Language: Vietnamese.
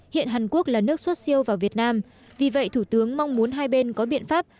hiện hàn quốc là nước xuất siêu vào việt nam vì vậy thủ tướng mong muốn hai bên có biện pháp